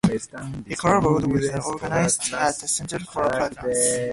He collaborated with the organist at the cathedral Flor Peeters.